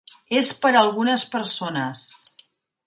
És per a algunes persones.